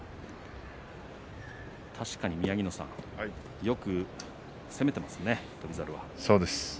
確かに宮城野さんよく攻めていますね、翔猿は。